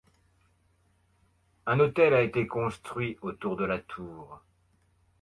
Un hôtel a été construit autour de la tour.